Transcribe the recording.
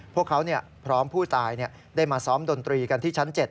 พวกเขาพร้อมผู้ตายได้มาซ้อมดนตรีกันที่ชั้น๗